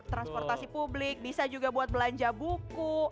transportasi publik bisa juga buat belanja buku